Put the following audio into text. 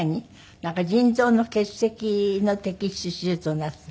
なんか腎臓の結石の摘出手術をなすって。